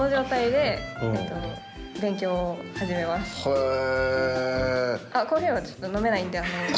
へえ！